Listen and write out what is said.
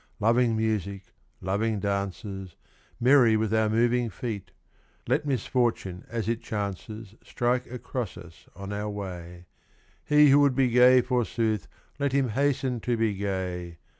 Loving music, loving dances. Merry with our moving feet ! Let misfortune as it chances Strike across us on our way : He who would be gay, forsooth, Let him hasten to be gay.